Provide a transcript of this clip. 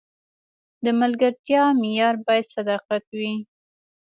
د ملګرتیا معیار باید صداقت وي.